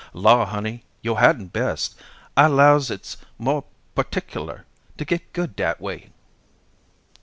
"Law, honey, yo' hadn't best. I 'lows it's more partickiler to get good dat way."